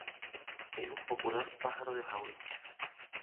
Es un popular pájaro de jaula.